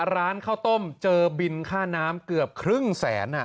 ร้านข้าวต้มเจอบินค่าน้ำเกือบครึ่งแสน